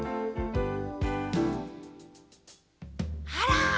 あら！